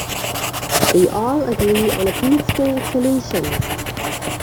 We all agree on a peaceful solution.